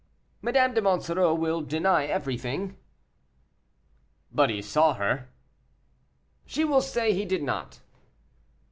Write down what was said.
"Madame de Monsoreau will deny everything." "But he saw her." "She will say he did not."